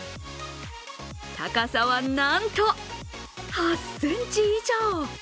高さはなんと、８ｃｍ以上。